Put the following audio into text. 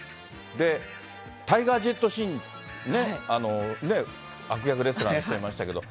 で、タイガージェットシン、悪役レスラーの人いましたけど。